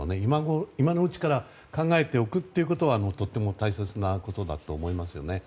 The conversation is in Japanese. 今のうちから考えておくということはとても大切なことだと思いますね。